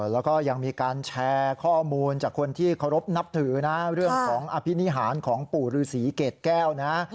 แล้วก็ยังมีการแชร์ข้อมูลจากคนที่เคารพนับถือนะเรื่องของอภินิหารของปู่ฤษีเกรดแก้วนะ